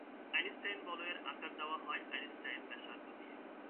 Einstein বলয়ের আকার দেওয়া হয় আইনস্টাইন ব্যাসার্ধ দিয়ে।